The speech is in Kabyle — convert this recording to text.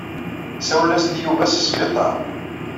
Ssawlen-as-d i Yuba seg sbiṭar.